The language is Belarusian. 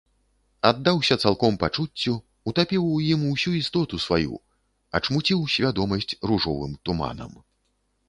Аддаўся цалком пачуццю, утапіў у ім усю істоту сваю, ачмуціў свядомасць ружовым туманам.